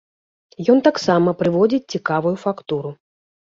Ён таксама прыводзіць цікавую фактуру.